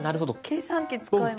計算機使います。